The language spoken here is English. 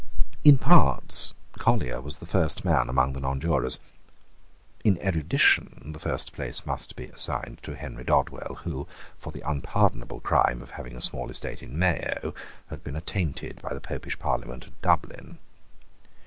In parts Collier was the first man among the nonjurors. In erudition the first place must be assigned to Henry Dodwell, who, for the unpardonable crime of having a small estate in Mayo, had been attainted by the Popish Parliament at Dublin.